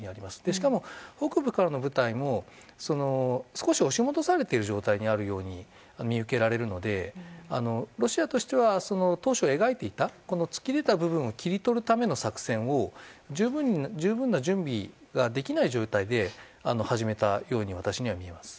しかも、北部からの部隊も少し押し戻されている状態にあるように見受けられるのでロシアとしては当初、描いていた突き出た部分を切り取るための作戦の十分な準備ができない状態で始めたように私には見えます。